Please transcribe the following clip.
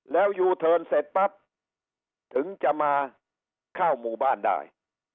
แล้วยูเทิร์นเสร็จปั๊บถึงจะมาเข้าหมู่บ้านได้